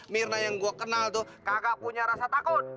mirna yang gue kenal tuh kakak punya rasa takut